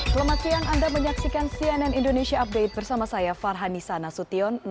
selamat siang anda menyaksikan cnn indonesia update bersama saya farhanisa nasution